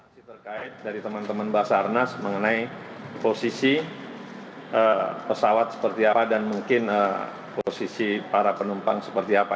masih terkait dari teman teman basarnas mengenai posisi pesawat seperti apa dan mungkin posisi para penumpang seperti apa